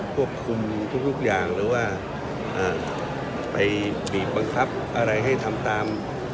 ควบคุมทุกอย่างหรือว่าไปบีบบังคับอะไรให้ทำตาม